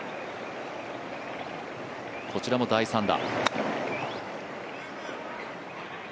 こちらも第３打。